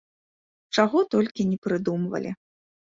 Чаго толькі не прыдумвалі.